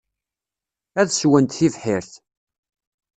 Ad sswent tibḥirt.